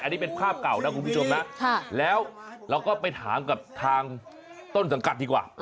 อันนี้เป็นภาพเก่านะคุณผู้ชมนะแล้วเราก็ไปถามกับทางต้นสังกัดดีกว่า